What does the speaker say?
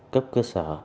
cấp cơ sở